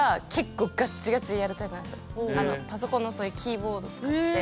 パソコンのそういうキーボード使って。